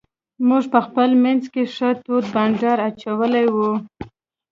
موږ په خپل منځ کې ښه تود بانډار اچولی وو.